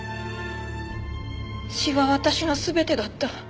詩は私の全てだった。